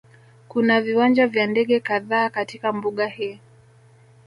Kuna viwanja vya ndege kadhaa katika mbuga hii